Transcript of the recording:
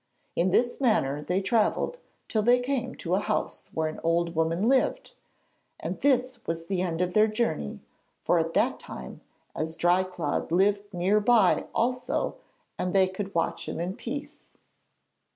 In this manner they travelled till they came to a house where an old woman lived, and this was the end of their journey for that time, as Dry cloud lived near by also and they could watch him in peace.